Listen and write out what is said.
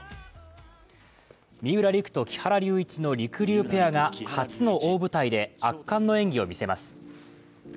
三浦璃来と木原龍一のりくりゅうペアが初の大舞台で圧巻の演技を見せます。